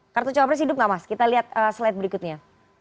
kartu cawapres hidup gak mas kita lihat slide berikutnya